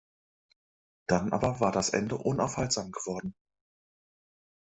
Dann aber war das Ende unaufhaltsam geworden.